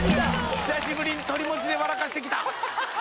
久しぶりにとりもちで笑かして来た！